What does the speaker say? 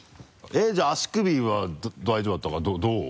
えっじゃあ足首は大丈夫だったからどう？